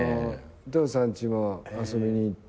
トヨさんちも遊びに行って。